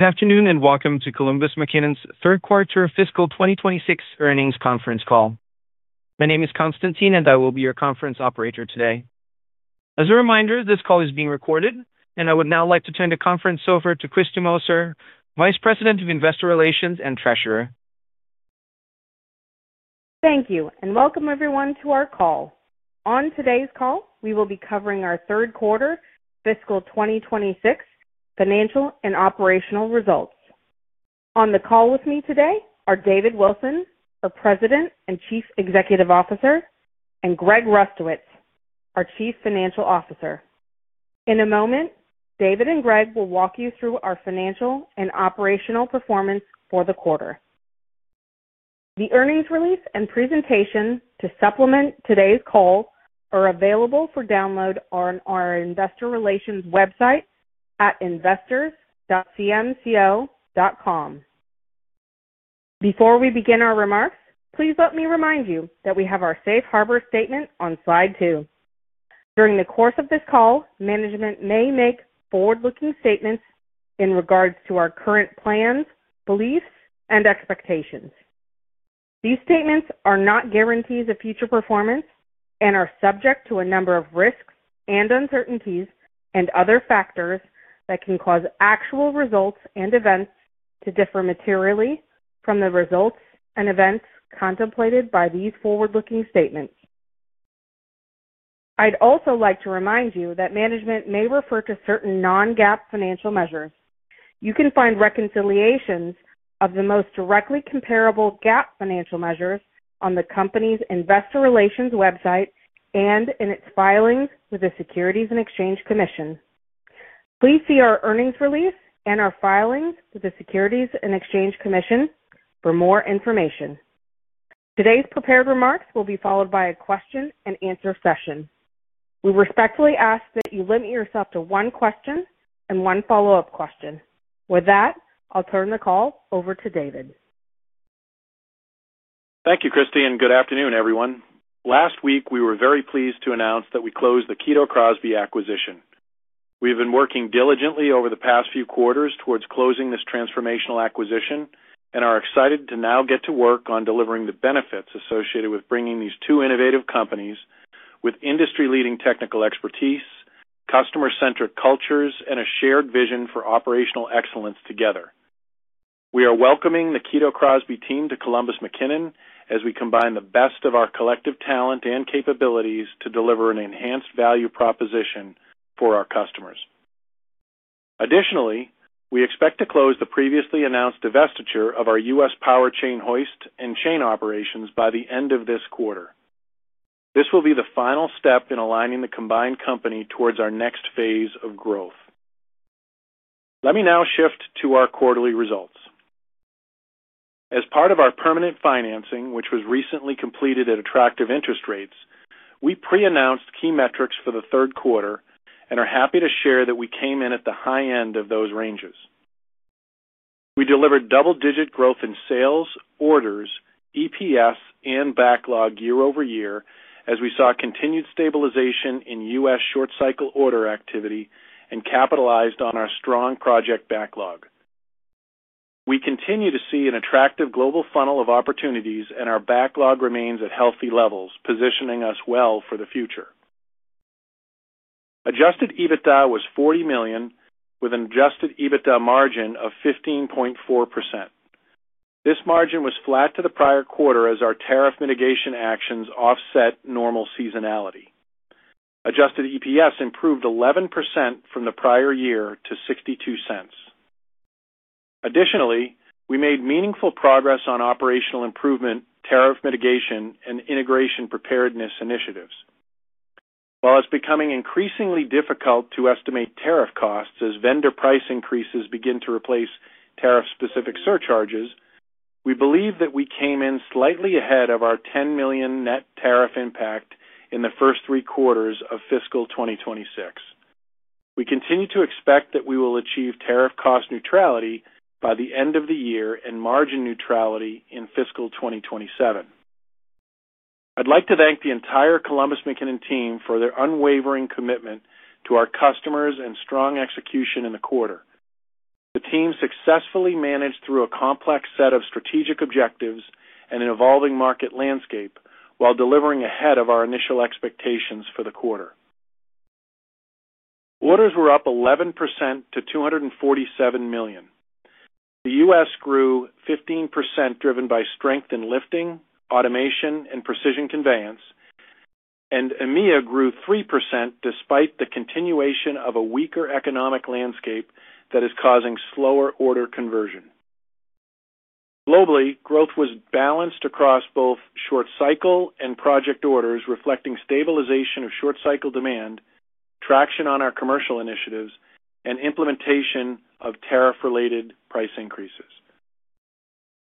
Good afternoon, and welcome to Columbus McKinnon's third quarter fiscal 2026 earnings conference call. My name is Constantine, and I will be your conference operator today. As a reminder, this call is being recorded, and I would now like to turn the conference over to Kristi Moser, Vice President of Investor Relations and Treasurer. Thank you, and welcome everyone to our call. On today's call, we will be covering our third quarter fiscal 2026 financial and operational results. On the call with me today are David Wilson, our President and Chief Executive Officer, and Greg Rustowicz, our Chief Financial Officer. In a moment, David and Greg will walk you through our financial and operational performance for the quarter. The earnings release and presentation to supplement today's call are available for download on our investor relations website at investors.cmco.com. Before we begin our remarks, please let me remind you that we have our safe harbor statement on Slide 2. During the course of this call, management may make forward-looking statements in regards to our current plans, beliefs, and expectations. These statements are not guarantees of future performance and are subject to a number of risks and uncertainties and other factors that can cause actual results and events to differ materially from the results and events contemplated by these forward-looking statements. I'd also like to remind you that management may refer to certain non-GAAP financial measures. You can find reconciliations of the most directly comparable GAAP financial measures on the company's investor relations website and in its filings with the Securities and Exchange Commission. Please see our earnings release and our filings to the Securities and Exchange Commission for more information. Today's prepared remarks will be followed by a question and answer session. We respectfully ask that you limit yourself to one question and one follow-up question. With that, I'll turn the call over to David. Thank you, Kristi, and good afternoon, everyone. Last week, we were very pleased to announce that we closed the Kito Crosby acquisition. We have been working diligently over the past few quarters towards closing this transformational acquisition and are excited to now get to work on delivering the benefits associated with bringing these two innovative companies with industry-leading technical expertise, customer-centric cultures, and a shared vision for operational excellence together. We are welcoming the Kito Crosby team to Columbus McKinnon as we combine the best of our collective talent and capabilities to deliver an enhanced value proposition for our customers. Additionally, we expect to close the previously announced divestiture of our U.S. power chain hoist and chain operations by the end of this quarter. This will be the final step in aligning the combined company towards our next phase of growth. Let me now shift to our quarterly results. As part of our permanent financing, which was recently completed at attractive interest rates, we pre-announced key metrics for the third quarter and are happy to share that we came in at the high end of those ranges. We delivered double-digit growth in sales, orders, EPS, and backlog year-over-year, as we saw continued stabilization in U.S. short cycle order activity and capitalized on our strong project backlog. We continue to see an attractive global funnel of opportunities, and our backlog remains at healthy levels, positioning us well for the future. Adjusted EBITDA was $40 million, with an adjusted EBITDA margin of 15.4%. This margin was flat to the prior quarter as our tariff mitigation actions offset normal seasonality. Adjusted EPS improved 11% from the prior year to $0.62. Additionally, we made meaningful progress on operational improvement, tariff mitigation, and integration preparedness initiatives. While it's becoming increasingly difficult to estimate tariff costs as vendor price increases begin to replace tariff-specific surcharges, we believe that we came in slightly ahead of our $10 million net tariff impact in the first three quarters of fiscal 2026. We continue to expect that we will achieve tariff cost neutrality by the end of the year and margin neutrality in fiscal 2027. I'd like to thank the entire Columbus McKinnon team for their unwavering commitment to our customers and strong execution in the quarter. The team successfully managed through a complex set of strategic objectives and an evolving market landscape while delivering ahead of our initial expectations for the quarter. Orders were up 11% to $247 million. The U.S. grew 15%, driven by strength in lifting, automation, and precision conveyance, and EMEA grew 3%, despite the continuation of a weaker economic landscape that is causing slower order conversion. Globally, growth was balanced across both short cycle and project orders, reflecting stabilization of short cycle demand, traction on our commercial initiatives, and implementation of tariff-related price increases.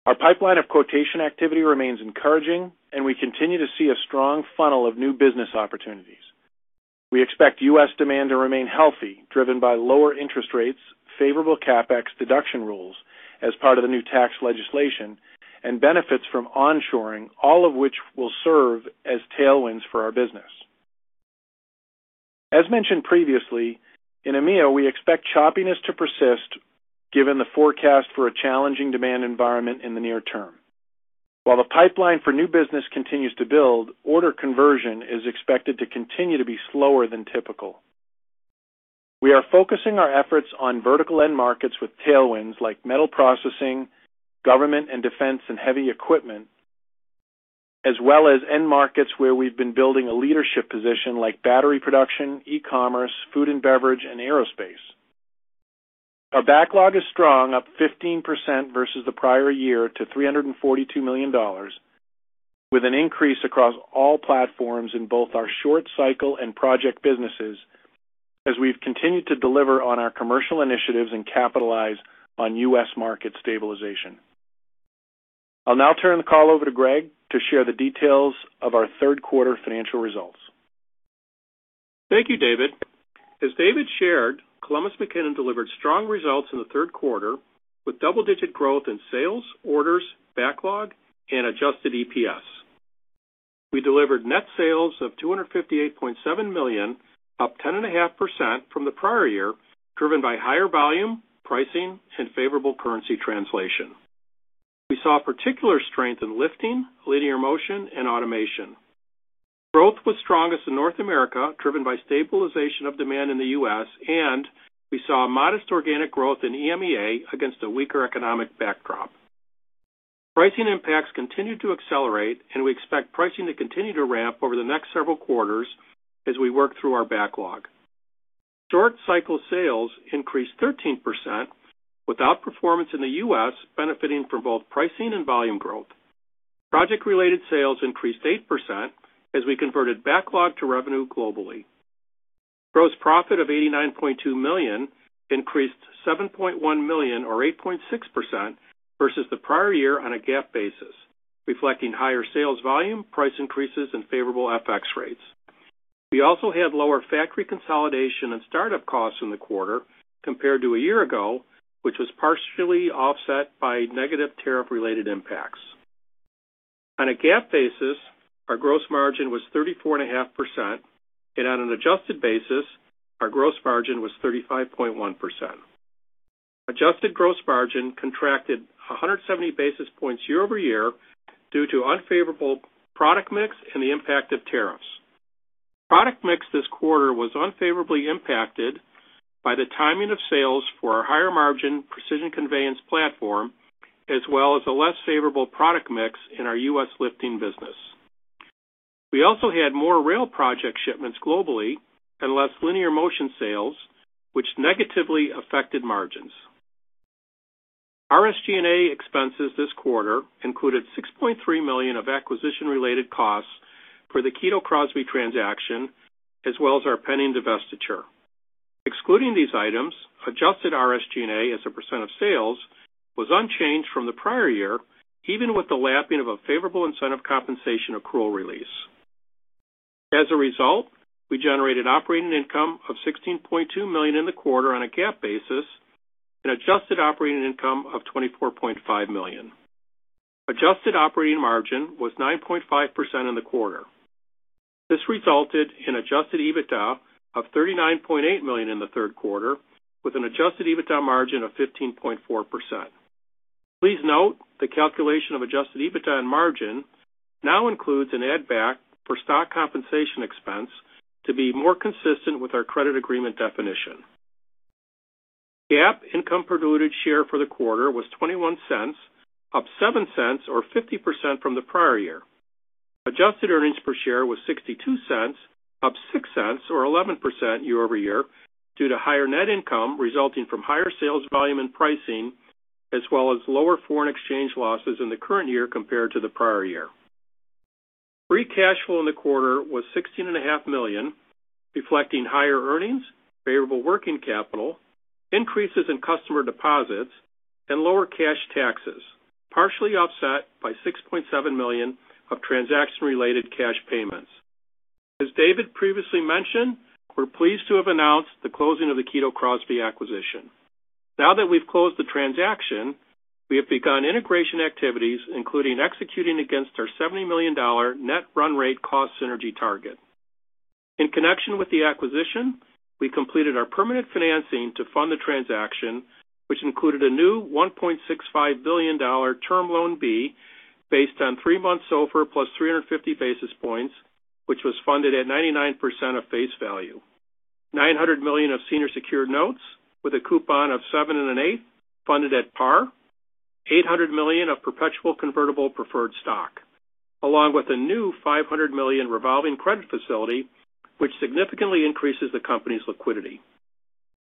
Our pipeline of quotation activity remains encouraging, and we continue to see a strong funnel of new business opportunities. We expect U.S. demand to remain healthy, driven by lower interest rates, favorable CapEx deduction rules as part of the new tax legislation, and benefits from onshoring, all of which will serve as tailwinds for our business. As mentioned previously, in EMEA, we expect choppiness to persist given the forecast for a challenging demand environment in the near term. While the pipeline for new business continues to build, order conversion is expected to continue to be slower than typical. We are focusing our efforts on vertical end markets with tailwinds, like metal processing, government and defense, and heavy equipment, as well as end markets where we've been building a leadership position, like battery production, e-commerce, food and beverage, and aerospace. Our backlog is strong, up 15% versus the prior year to $342 million, with an increase across all platforms in both our short cycle and project businesses, as we've continued to deliver on our commercial initiatives and capitalize on U.S. market stabilization. I'll now turn the call over to Greg to share the details of our third quarter financial results. Thank you, David. As David shared, Columbus McKinnon delivered strong results in the third quarter, with double-digit growth in sales, orders, backlog, and adjusted EPS. We delivered net sales of $258.7 million, up 10.5% from the prior year, driven by higher volume, pricing, and favorable currency translation. We saw particular strength in lifting, linear motion, and automation. Growth was strongest in North America, driven by stabilization of demand in the U.S., and we saw a modest organic growth in EMEA against a weaker economic backdrop. Pricing impacts continued to accelerate, and we expect pricing to continue to ramp over the next several quarters as we work through our backlog. Short cycle sales increased 13%, with outperformance in the U.S. benefiting from both pricing and volume growth. Project-related sales increased 8% as we converted backlog to revenue globally. Gross profit of $89.2 million increased $7.1 million, or 8.6%, versus the prior year on a GAAP basis, reflecting higher sales volume, price increases, and favorable FX rates. We also had lower factory consolidation and startup costs in the quarter compared to a year ago, which was partially offset by negative tariff-related impacts. On a GAAP basis, our gross margin was 34.5%, and on an adjusted basis, our gross margin was 35.1%. Adjusted gross margin contracted 170 basis points year-over-year due to unfavorable product mix and the impact of tariffs. Product mix this quarter was unfavorably impacted by the timing of sales for our higher-margin precision conveyance platform, as well as a less favorable product mix in our U.S. lifting business. We also had more rail project shipments globally and less linear motion sales, which negatively affected margins. Our SG&A expenses this quarter included $6.3 million of acquisition-related costs for the Kito Crosby transaction, as well as our pending divestiture. Excluding these items, adjusted RSG&A as a percent of sales was unchanged from the prior year, even with the lapping of a favorable incentive compensation accrual release. As a result, we generated operating income of $16.2 million in the quarter on a GAAP basis and adjusted operating income of $24.5 million. Adjusted operating margin was 9.5% in the quarter. This resulted in adjusted EBITDA of $39.8 million in the third quarter, with an adjusted EBITDA margin of 15.4%. Please note, the calculation of adjusted EBITDA and margin now includes an add-back for stock compensation expense to be more consistent with our credit agreement definition. GAAP income per diluted share for the quarter was $0.21, up $0.07 or 50% from the prior year. Adjusted earnings per share was $0.62, up $0.06 or 11% year-over-year, due to higher net income resulting from higher sales volume and pricing, as well as lower foreign exchange losses in the current year compared to the prior year. Free cash flow in the quarter was $16.5 million, reflecting higher earnings, favorable working capital, increases in customer deposits, and lower cash taxes, partially offset by $6.7 million of transaction-related cash payments. As David previously mentioned, we're pleased to have announced the closing of the Kito Crosby acquisition. Now that we've closed the transaction, we have begun integration activities, including executing against our $70 million net run rate cost synergy target. In connection with the acquisition, we completed our permanent financing to fund the transaction, which included a new $1.65 billion Term Loan B, based on three months SOFR plus 350 basis points, which was funded at 99% of face value. $900 million of senior secured notes with a coupon of 7 1/8, funded at par, $800 million of perpetual convertible preferred stock, along with a new $500 million revolving credit facility, which significantly increases the company's liquidity.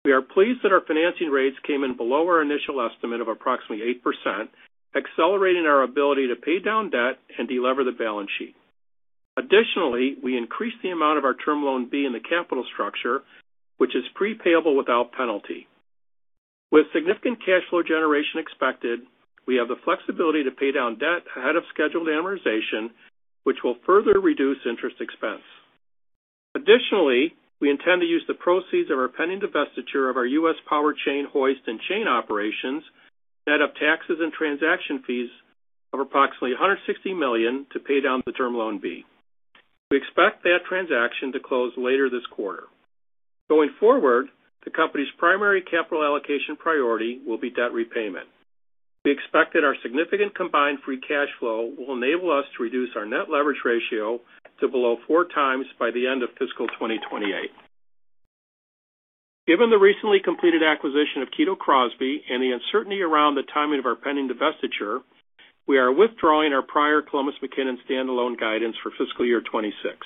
We are pleased that our financing rates came in below our initial estimate of approximately 8%, accelerating our ability to pay down debt and delever the balance sheet. Additionally, we increased the amount of our Term Loan B in the capital structure, which is prepayable without penalty. With significant cash flow generation expected, we have the flexibility to pay down debt ahead of scheduled amortization, which will further reduce interest expense. Additionally, we intend to use the proceeds of our pending divestiture of our U.S. power chain, hoist, and chain operations, net of taxes and transaction fees of approximately $160 million to pay down the Term Loan B. We expect that transaction to close later this quarter. Going forward, the company's primary capital allocation priority will be debt repayment. We expect that our significant combined free cash flow will enable us to reduce our net leverage ratio to below 4x by the end of fiscal 2028. Given the recently completed acquisition of Kito Crosby and the uncertainty around the timing of our pending divestiture, we are withdrawing our prior Columbus McKinnon standalone guidance for fiscal year 2026.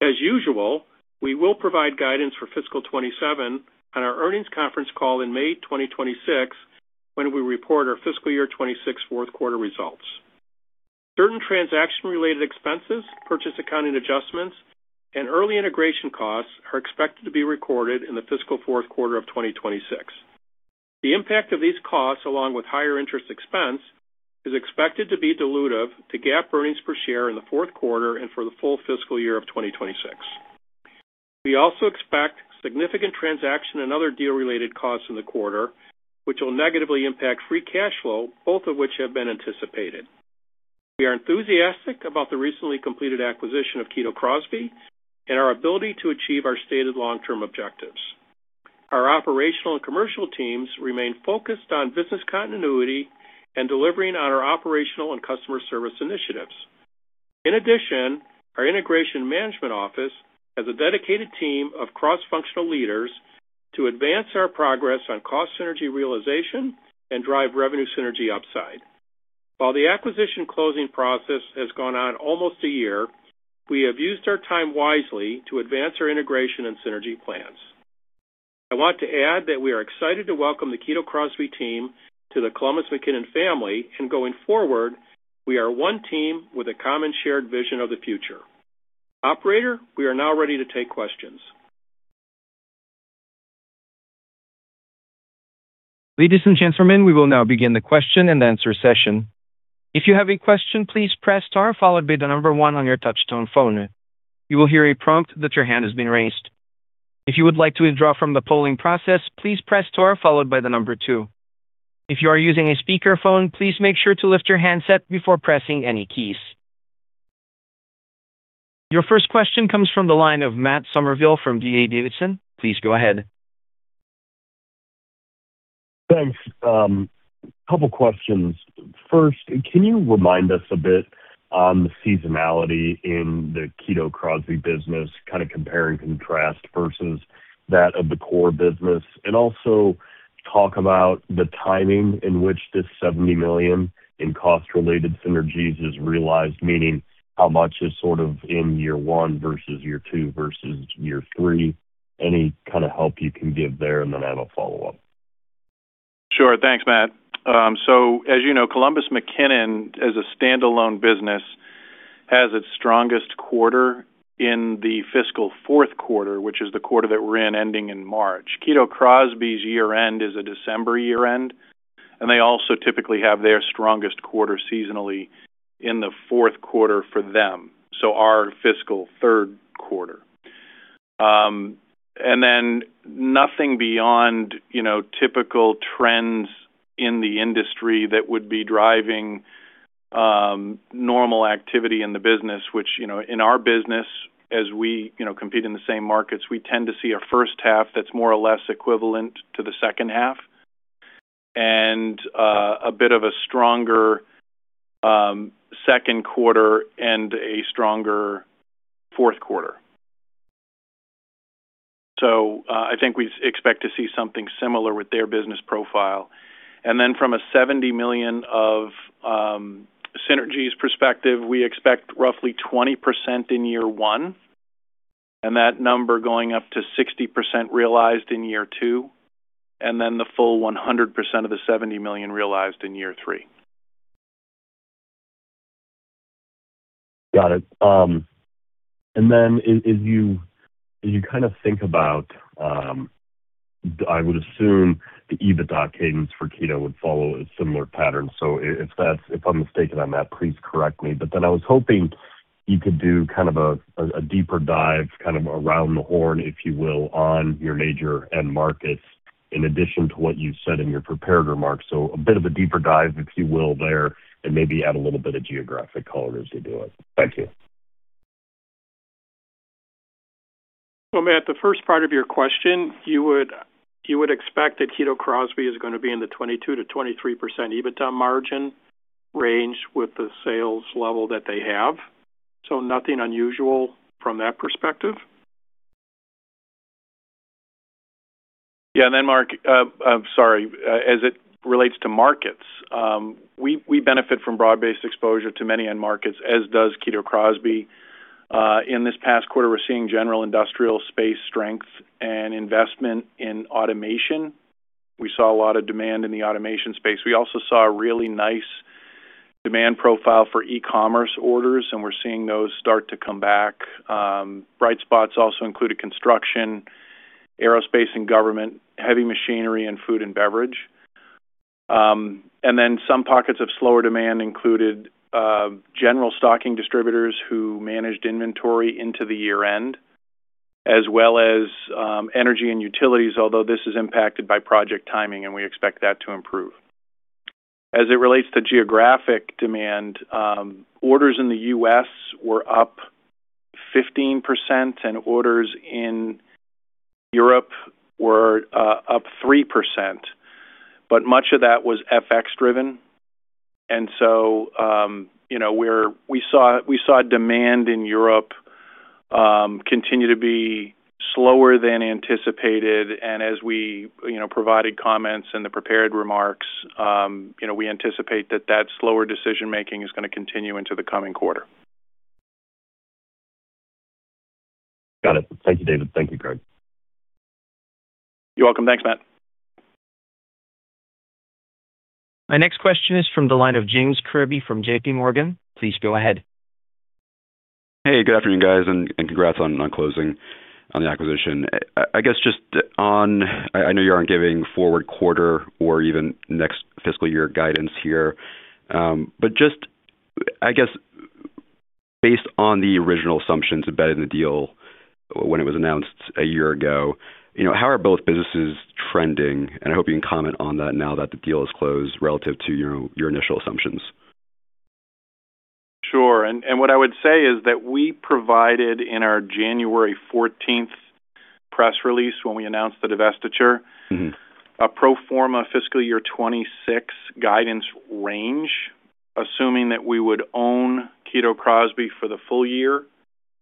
As usual, we will provide guidance for fiscal 2027 on our earnings conference call in May 2026, when we report our fiscal year 2026 fourth quarter results. Certain transaction-related expenses, purchase accounting adjustments, and early integration costs are expected to be recorded in the fiscal fourth quarter of 2026. The impact of these costs, along with higher interest expense, is expected to be dilutive to GAAP earnings per share in the fourth quarter and for the full fiscal year of 2026. We also expect significant transaction and other deal-related costs in the quarter, which will negatively impact free cash flow, both of which have been anticipated. We are enthusiastic about the recently completed acquisition of Kito Crosby and our ability to achieve our stated long-term objectives. Our operational and commercial teams remain focused on business continuity and delivering on our operational and customer service initiatives. In addition, our Integration Management Office has a dedicated team of cross-functional leaders to advance our progress on cost synergy realization and drive revenue synergy upside. While the acquisition closing process has gone on almost a year, we have used our time wisely to advance our integration and synergy plans. I want to add that we are excited to welcome the Kito Crosby team to the Columbus McKinnon family, and going forward, we are one team with a common shared vision of the future. Operator, we are now ready to take questions. Ladies and gentlemen, we will now begin the question-and-answer session. If you have a question, please press star, followed by the number one on your touchtone phone. You will hear a prompt that your hand has been raised. If you would like to withdraw from the polling process, please press star followed by the number two. If you are using a speakerphone, please make sure to lift your handset before pressing any keys. Your first question comes from the line of Matt Summerville from D.A. Davidson. Please go ahead. Thanks. Couple questions. First, can you remind us a bit on the seasonality in the Kito Crosby business, kind of compare and contrast versus that of the core business? And also talk about the timing in which this $70 million in cost-related synergies is realized, meaning how much is sort of in year one versus year two versus year three? Any kind of help you can give there, and then I have a follow-up. Sure. Thanks, Matt. So as you know, Columbus McKinnon, as a standalone business, has its strongest quarter in the fiscal fourth quarter, which is the quarter that we're in, ending in March. Kito Crosby's year-end is a December year-end, and they also typically have their strongest quarter seasonally in the fourth quarter for them, so our fiscal third quarter. And then nothing beyond, you know, typical trends in the industry that would be driving normal activity in the business, which, you know, in our business, as we, you know, compete in the same markets, we tend to see a first half that's more or less equivalent to the second half and a bit of a stronger second quarter and a stronger fourth quarter. So, I think we expect to see something similar with their business profile. And then from a $70 million of synergies perspective, we expect roughly 20% in year one, and that number going up to 60% realized in year two, and then the full 100% of the $70 million realized in year three. Got it. And then as you kind of think about, I would assume the EBITDA cadence for Kito would follow a similar pattern. So if that's, if I'm mistaken on that, please correct me. But then I was hoping you could do kind of a deeper dive, kind of around the horn, if you will, on your major end markets, in addition to what you said in your prepared remarks. So a bit of a deeper dive, if you will, there, and maybe add a little bit of geographic color as you do it. Thank you. So, Matt, the first part of your question, you would, you would expect that Kito Crosby is going to be in the 22%-23% EBITDA margin range with the sales level that they have. So nothing unusual from that perspective. Yeah, and then Mark, as it relates to markets, we, we benefit from broad-based exposure to many end markets, as does Kito Crosby. In this past quarter, we're seeing general industrial space strength and investment in automation. We saw a lot of demand in the automation space. We also saw a really nice demand profile for e-commerce orders, and we're seeing those start to come back. Bright spots also included construction, aerospace and government, heavy machinery, and food and beverage. And then some pockets of slower demand included, general stocking distributors who managed inventory into the year-end. As well as energy and utilities, although this is impacted by project timing, and we expect that to improve. As it relates to geographic demand, orders in the U.S. were up 15%, and orders in Europe were up 3%, but much of that was FX driven. And so, you know, we saw demand in Europe continue to be slower than anticipated, and as we, you know, provided comments in the prepared remarks, you know, we anticipate that that slower decision-making is gonna continue into the coming quarter. Got it. Thank you, David. Thank you, Greg. You're welcome. Thanks, Matt. My next question is from the line of James Kirby from JPMorgan. Please go ahead. Hey, good afternoon, guys, and congrats on closing on the acquisition. I guess just on, I know you aren't giving forward quarter or even next fiscal year guidance here, but just, I guess, based on the original assumptions embedded in the deal when it was announced a year ago, you know, how are both businesses trending? And I hope you can comment on that now that the deal is closed relative to your initial assumptions. Sure. And, and what I would say is that we provided, in our January 14th press release, when we announced the divestiture. Mm-hmm. A pro forma fiscal year 2026 guidance range, assuming that we would own Kito Crosby for the full year,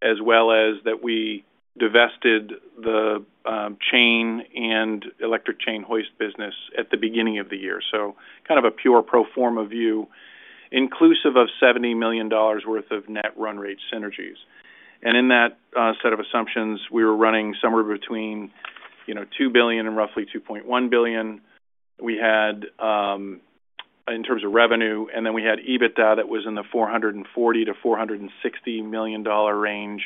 as well as that we divested the chain and electric chain hoist business at the beginning of the year. So kind of a pure pro forma view, inclusive of $70 million worth of net run rate synergies. And in that set of assumptions, we were running somewhere between, you know, $2 billion and roughly $2.1 billion. We had in terms of revenue, and then we had EBITDA that was in the $440 million-$460 million range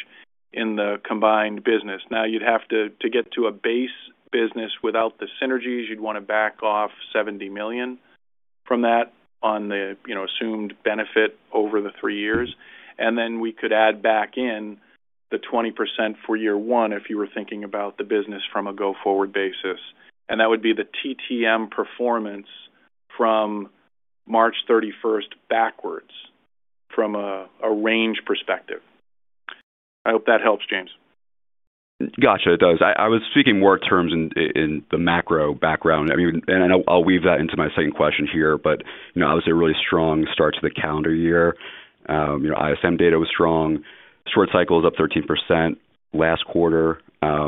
in the combined business. Now, you'd have to get to a base business without the synergies, you'd wanna back off $70 million from that on the, you know, assumed benefit over the three years. Then we could add back in the 20% for year one if you were thinking about the business from a go-forward basis, and that would be the TTM performance from March 31st backwards from a range perspective. I hope that helps, James. Gotcha, it does. I was speaking more in terms of the macro background. I mean, I know I'll weave that into my second question here, but you know, obviously, a really strong start to the calendar year. You know, ISM data was strong. Short cycle was up 13% last quarter, or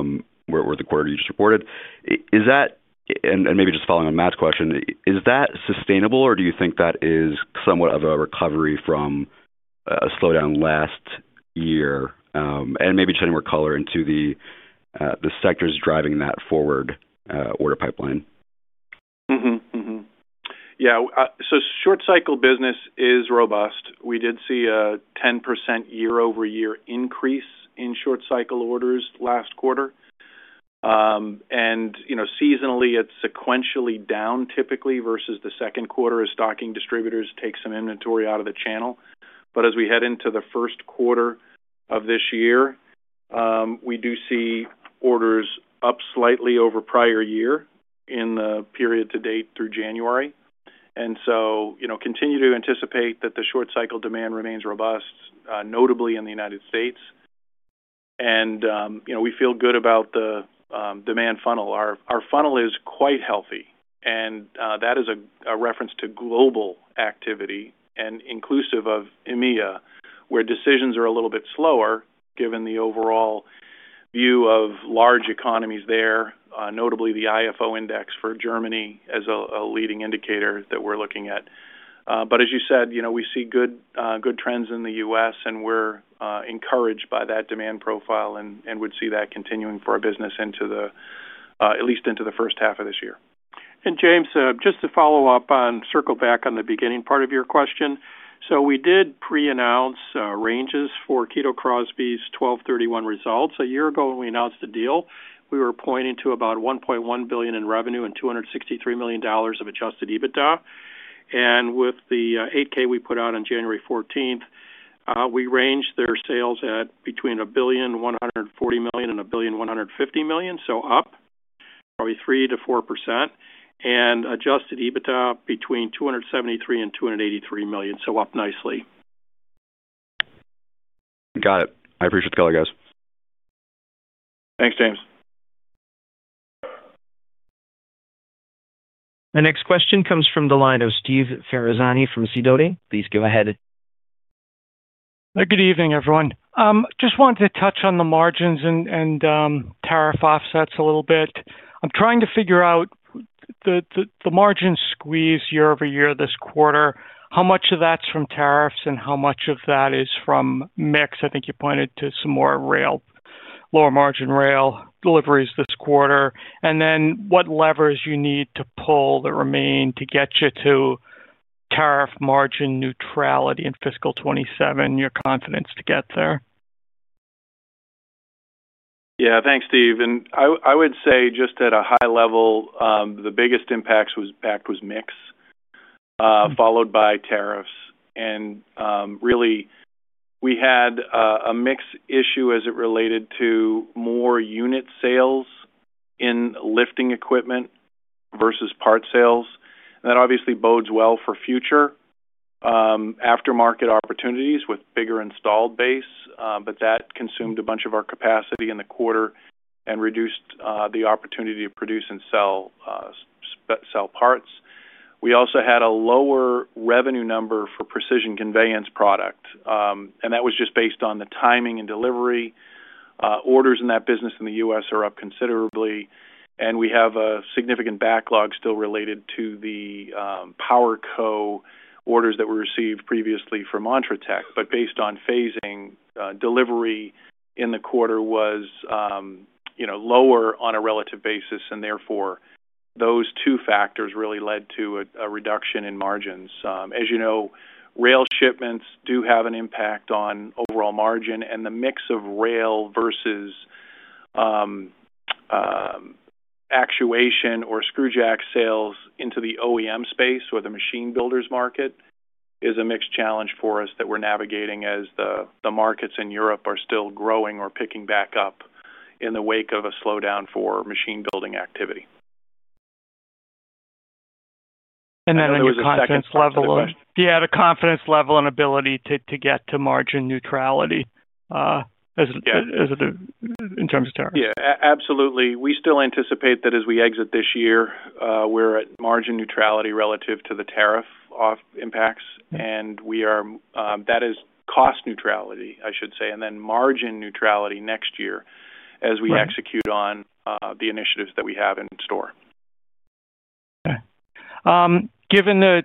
the quarter you just reported. Is that, and maybe just following on Matt's question, is that sustainable, or do you think that is somewhat of a recovery from a slowdown last year? And maybe shedding more color into the sectors driving that forward, order pipeline. Yeah, so short cycle business is robust. We did see a 10% year-over-year increase in short cycle orders last quarter. And, you know, seasonally, it's sequentially down typically versus the second quarter as stocking distributors take some inventory out of the channel. But as we head into the first quarter of this year, we do see orders up slightly over prior year in the period to date through January. And so, you know, continue to anticipate that the short cycle demand remains robust, notably in the United States. And, you know, we feel good about the demand funnel. Our funnel is quite healthy, and that is a reference to global activity and inclusive of EMEA, where decisions are a little bit slower given the overall view of large economies there, notably the ifo index for Germany as a leading indicator that we're looking at. But as you said, you know, we see good trends in the U.S., and we're encouraged by that demand profile and would see that continuing for our business into at least into the first half of this year. And James, just to follow up on, circle back on the beginning part of your question. So we did pre-announce ranges for Kito Crosby's 12/31 results. A year ago, when we announced the deal, we were pointing to about $1.1 billion in revenue and $263 million of adjusted EBITDA. With the 8-K we put out on January 14th, we ranged their sales at between $1.14 billion and $1.15 billion, so up probably 3%-4%, and adjusted EBITDA between $273 million and $283 million, so up nicely. Got it. I appreciate the color, guys. Thanks, James. The next question comes from the line of Steve Ferazani from Sidoti. Please go ahead. Good evening, everyone. Just wanted to touch on the margins and tariff offsets a little bit. I'm trying to figure out the margin squeeze year-over-year this quarter, how much of that's from tariffs and how much of that is from mix? I think you pointed to some more rail, lower margin rail deliveries this quarter. And then what levers you need to pull that remain to get you to tariff margin neutrality in fiscal 2027, your confidence to get there? Yeah. Thanks, Steve. And I would say, just at a high level, the biggest impact was mix, followed by tariffs. And really, we had a mixed issue as it related to more unit sales in lifting equipment versus parts sales. That obviously bodes well for future aftermarket opportunities with bigger installed base, but that consumed a bunch of our capacity in the quarter and reduced the opportunity to produce and sell parts. We also had a lower revenue number for precision conveyance product, and that was just based on the timing and delivery. Orders in that business in the U.S. are up considerably, and we have a significant backlog still related to the PowerCo orders that were received previously from montratec. But based on phasing, delivery in the quarter was, you know, lower on a relative basis, and therefore, those two factors really led to a reduction in margins. As you know, rail shipments do have an impact on overall margin, and the mix of rail versus actuation or screw jack sales into the OEM space or the machine builders market is a mixed challenge for us that we're navigating as the markets in Europe are still growing or picking back up in the wake of a slowdown for machine-building activity. And then there was a confidence level. Second part to the question. Yeah, the confidence level and ability to get to margin neutrality, as. Yeah. As it, in terms of tariffs. Yeah, absolutely. We still anticipate that as we exit this year, we're at margin neutrality relative to the tariff off impacts, and we are. That is, cost neutrality, I should say, and then margin neutrality next year. Right. As we execute on, the initiatives that we have in store. Okay. Given the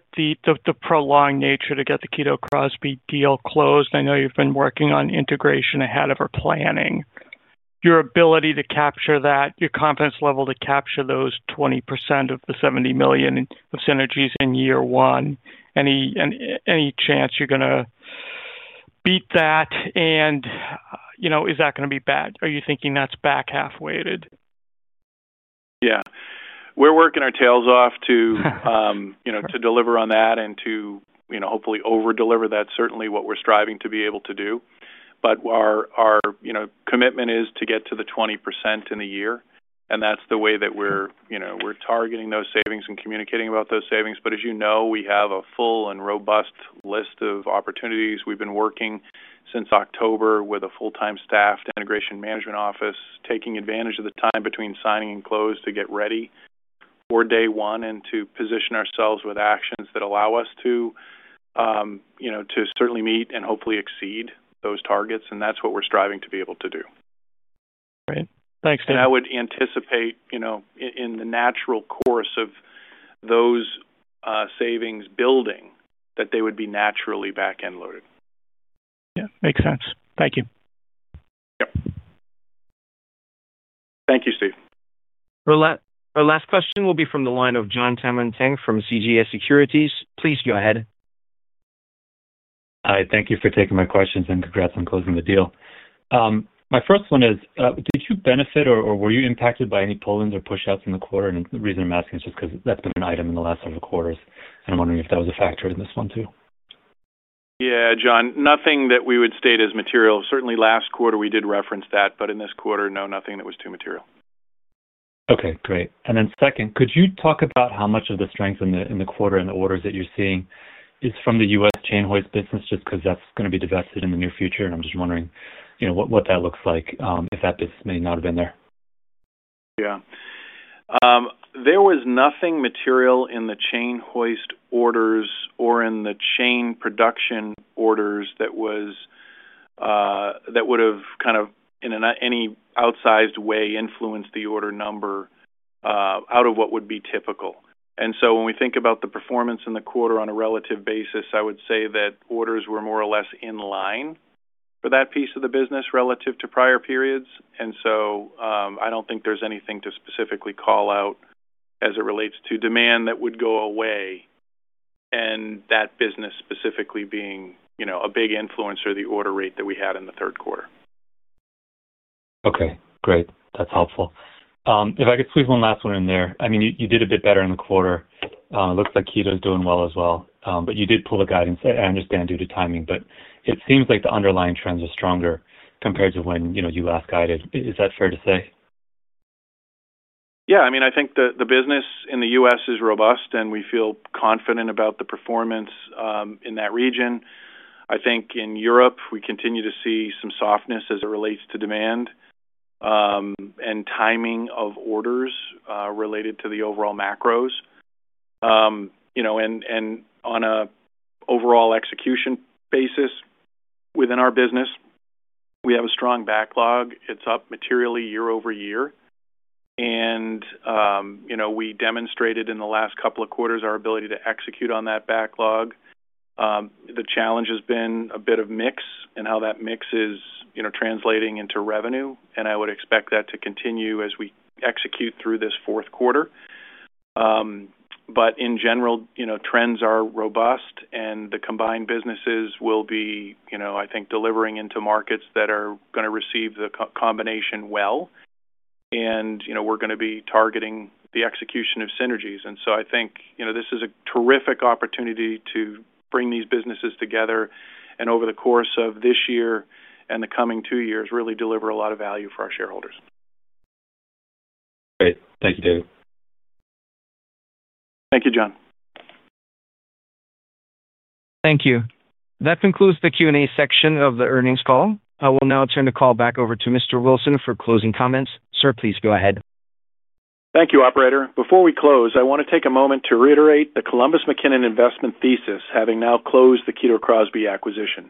prolonged nature to get the Kito Crosby deal closed, I know you've been working on integration ahead of our planning. Your ability to capture that, your confidence level to capture those 20% of the $70 million of synergies in year one, any chance you're gonna beat that? And, you know, is that gonna be bad? Are you thinking that's back half-weighted? Yeah. We're working our tails off to, you know, to deliver on that and to, you know, hopefully over-deliver. That's certainly what we're striving to be able to do. But our, our, you know, commitment is to get to the 20% in a year, and that's the way that we're, you know, we're targeting those savings and communicating about those savings. But as you know, we have a full and robust list of opportunities. We've been working since October with a full-time staffed Integration Management Office, taking advantage of the time between signing and close to get ready for day one and to position ourselves with actions that allow us to, you know, to certainly meet and hopefully exceed those targets, and that's what we're striving to be able to do. Great. Thanks. I would anticipate, you know, in the natural course of those savings building, that they would be naturally back-end loaded. Yeah, makes sense. Thank you. Yep. Thank you, Steve. Our last question will be from the line of Jon Tanwanteng from CJS Securities. Please go ahead. Hi, thank you for taking my questions, and congrats on closing the deal. My first one is, did you benefit or, or were you impacted by any pull-ins or pushouts in the quarter? And the reason I'm asking is just because that's been an item in the last several quarters, and I'm wondering if that was a factor in this one, too. Yeah, Jon, nothing that we would state as material. Certainly last quarter we did reference that, but in this quarter, no, nothing that was too material. Okay, great. And then second, could you talk about how much of the strength in the, in the quarter and the orders that you're seeing is from the U.S. chain hoist business, just because that's gonna be divested in the near future, and I'm just wondering, you know, what, what that looks like, if that business may not have been there? Yeah. There was nothing material in the chain hoist orders or in the chain production orders that was, that would have kind of, in any outsized way, influenced the order number, out of what would be typical. And so when we think about the performance in the quarter on a relative basis, I would say that orders were more or less in line for that piece of the business relative to prior periods. And so, I don't think there's anything to specifically call out as it relates to demand that would go away, and that business specifically being, you know, a big influencer of the order rate that we had in the third quarter. Okay, great. That's helpful. If I could squeeze one last one in there. I mean, you did a bit better in the quarter. Looks like Kito is doing well as well. But you did pull the guidance, I understand, due to timing, but it seems like the underlying trends are stronger compared to when, you know, you last guided. Is that fair to say? Yeah, I mean, I think the business in the U.S. is robust, and we feel confident about the performance in that region. I think in Europe, we continue to see some softness as it relates to demand and timing of orders related to the overall macros. You know, and on an overall execution basis within our business, we have a strong backlog. It's up materially year-over-year, and you know, we demonstrated in the last couple of quarters our ability to execute on that backlog. The challenge has been a bit of mix and how that mix is you know, translating into revenue, and I would expect that to continue as we execute through this fourth quarter. But in general, you know, trends are robust, and the combined businesses will be, you know, I think, delivering into markets that are gonna receive the combination well. And, you know, we're gonna be targeting the execution of synergies. So I think, you know, this is a terrific opportunity to bring these businesses together, and over the course of this year and the coming two years, really deliver a lot of value for our shareholders. Great. Thank you, David. Thank you, Jon. Thank you. That concludes the Q&A section of the earnings call. I will now turn the call back over to Mr. Wilson for closing comments. Sir, please go ahead. Thank you, operator. Before we close, I want to take a moment to reiterate the Columbus McKinnon investment thesis, having now closed the Kito Crosby acquisition.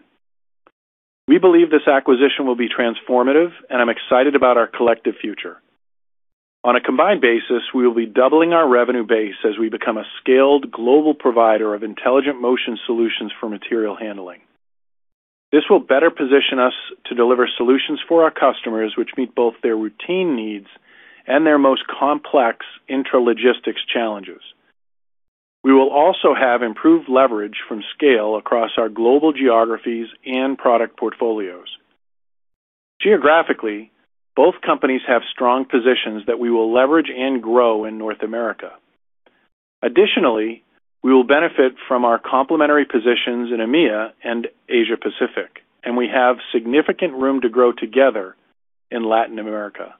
We believe this acquisition will be transformative, and I'm excited about our collective future. On a combined basis, we will be doubling our revenue base as we become a scaled global provider of intelligent motion solutions for material handling. This will better position us to deliver solutions for our customers, which meet both their routine needs and their most complex intralogistics challenges. We will also have improved leverage from scale across our global geographies and product portfolios. Geographically, both companies have strong positions that we will leverage and grow in North America. Additionally, we will benefit from our complementary positions in EMEA and Asia Pacific, and we have significant room to grow together in Latin America.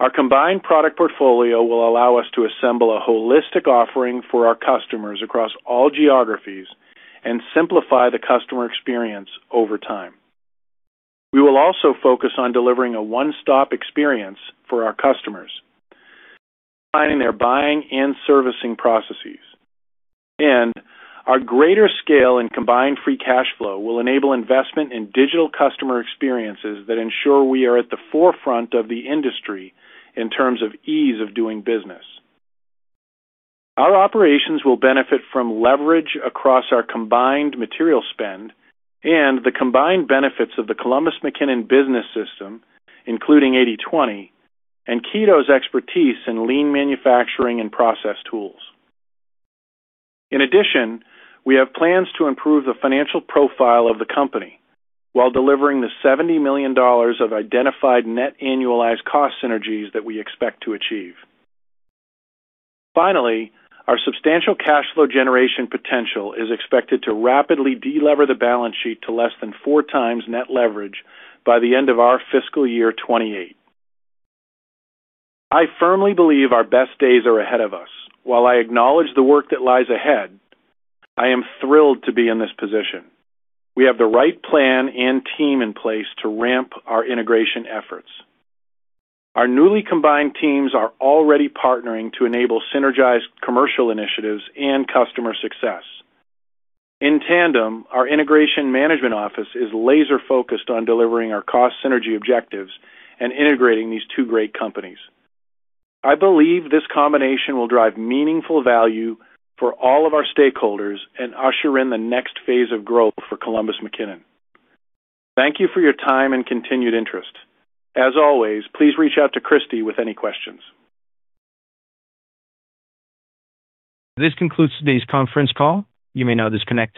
Our combined product portfolio will allow us to assemble a holistic offering for our customers across all geographies and simplify the customer experience over time. We will also focus on delivering a one-stop experience for our customers, finding their buying and servicing processes. Our greater scale and combined free cash flow will enable investment in digital customer experiences that ensure we are at the forefront of the industry in terms of ease of doing business. Our operations will benefit from leverage across our combined material spend and the combined benefits of the Columbus McKinnon Business System, including 80/20, and Kito's expertise in lean manufacturing and process tools. In addition, we have plans to improve the financial profile of the company while delivering the $70 million of identified net annualized cost synergies that we expect to achieve. Finally, our substantial cash flow generation potential is expected to rapidly delever the balance sheet to less than 4x net leverage by the end of our fiscal year 2028. I firmly believe our best days are ahead of us. While I acknowledge the work that lies ahead, I am thrilled to be in this position. We have the right plan and team in place to ramp our integration efforts. Our newly combined teams are already partnering to enable synergized commercial initiatives and customer success. In tandem, our Integration Management Office is laser-focused on delivering our cost synergy objectives and integrating these two great companies. I believe this combination will drive meaningful value for all of our stakeholders and usher in the next phase of growth for Columbus McKinnon. Thank you for your time and continued interest. As always, please reach out to Kristi with any questions. This concludes today's conference call. You may now disconnect.